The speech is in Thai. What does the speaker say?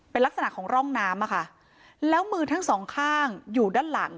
เป็นลักษณะของร่องน้ำอะค่ะแล้วมือทั้งสองข้างอยู่ด้านหลัง